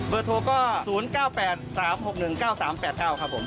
โทรก็๐๙๘๓๖๑๙๓๘๙ครับผม